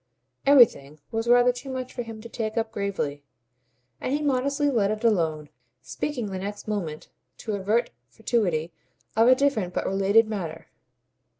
"Everything" was rather too much for him to take up gravely, and he modestly let it alone, speaking the next moment, to avert fatuity, of a different but a related matter.